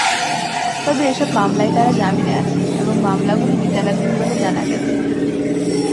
তবে এসব মামলায় তাঁরা জামিনে আছেন এবং মামলাগুলো বিচারাধীন বলে জানা গেছে।